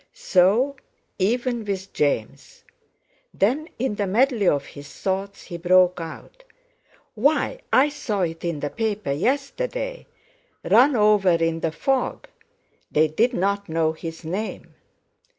So even with James! Then in the medley of his thoughts, he broke out: "Why I saw it in the paper yesterday: 'Run over in the fog!' They didn't know his name!"